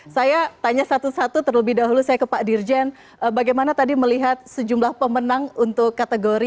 saya tanya satu satu terlebih dahulu saya ke pak dirjen bagaimana tadi melihat sejumlah pemenang untuk kategori